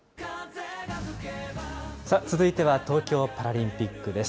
さあ、続いては東京パラリンピックです。